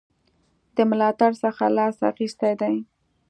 د ملاتړ څخه لاس اخیستی دی.